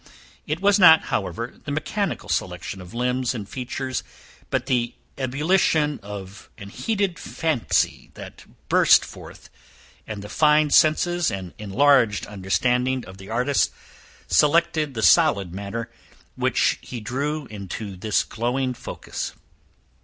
It was not, however, the mechanical selection of limbs and features, but the ebullition of an heated fancy that burst forth; and the fine senses and enlarged understanding of the artist selected the solid matter, which he drew into this glowing focus.